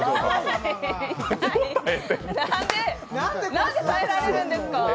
なんで耐えられるんですか？